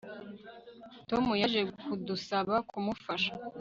Tom yaje kudusaba kumufasha